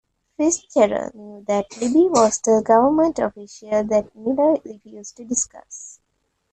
Fitzgerald knew that Libby was the government official that Miller refused to discuss.